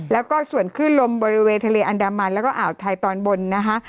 แล้วก็ส่วนขึ้นลมบริเวณทะเลอันดามันแล้วก็อ่าวไทยตอนบนนะคะ